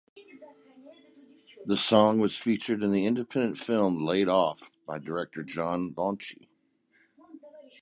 The song was featured in the independent film "Laid Off" by director John Launchi.